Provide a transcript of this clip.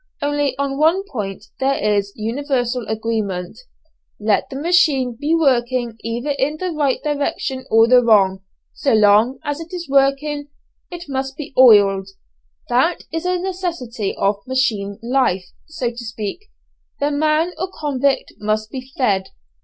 Only on one point there is universal agreement, let the machine be working either in the right direction or the wrong so long as it is working it must be oiled, that is a necessity of machine life, so to speak the man or convict must be fed.